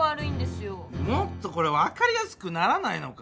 もっとこれわかりやすくならないのか？